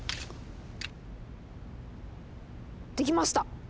できました。